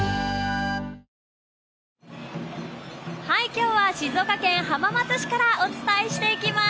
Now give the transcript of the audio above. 今日は静岡県浜松市からお伝えしていきます。